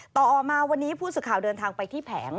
ต่อมาวันนี้ผู้สื่อข่าวเดินทางไปที่แผง